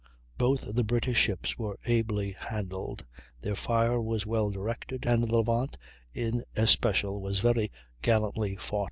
Both the British ships were ably handled, their fire was well directed, and the Levant in especial was very gallantly fought.